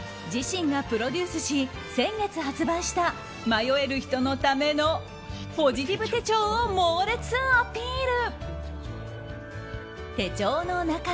自身がプロデュースし先月発売した迷える人のための「ポジティブ手帳」を猛烈アピール。